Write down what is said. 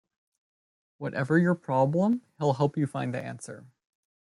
Whatever your problem, he'll help you find the answer.